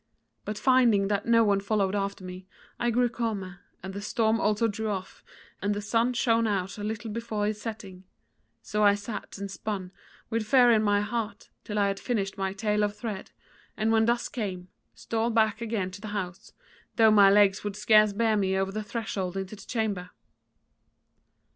But finding that no one followed after me, I grew calmer, and the storm also drew off, and the sun shone out a little before his setting: so I sat and spun, with fear in my heart, till I had finished my tale of thread, and when dusk came, stole back again to the house, though my legs would scarce bear me over the threshold into the chamber.